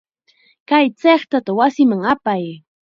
Kay chiqtata wasiman apay.